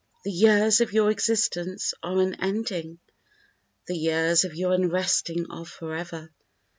The years of your existence are unending. The years of your unresting are forever.